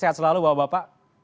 sehat selalu bapak bapak